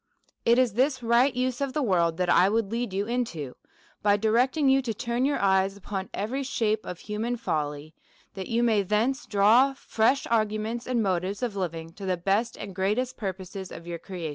It is this right use of the world that I would lead you into, by directing you to turn your eyes upon every shape of human folly, that you may thence draw fresh arguments and motives of living to the best and great est purposes of your creation.